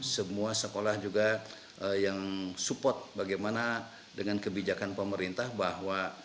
semua sekolah juga yang support bagaimana dengan kebijakan pemerintah bahwa